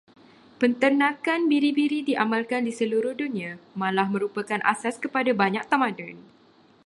Penternakan biri-biri diamalkan di seluruh dunia, malah merupakan asas kepada banyak tamadun.